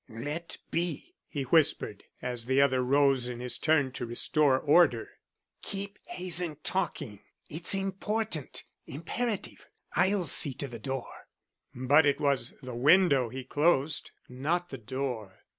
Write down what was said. "Let be," he whispered, as the other rose in his turn to restore order. "Keep Hazen talking. It's important; imperative. I'll see to the door." But it was the window he closed, not the door.